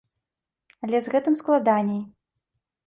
Але з гэтым складаней.